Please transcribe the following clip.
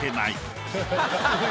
ハハハハ！